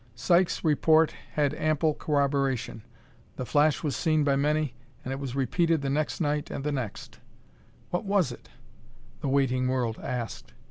Sykes' report had ample corroboration; the flash was seen by many, and it was repeated the next night and the next. What was it? the waiting world asked.